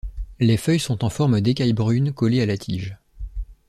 Les feuilles sont en forme d'écailles brunes collées à la tige.